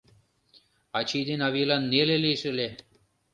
Ачий ден авийлан неле лиеш ыле